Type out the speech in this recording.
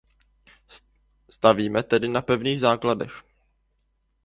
Stavíme tedy na pevných základech.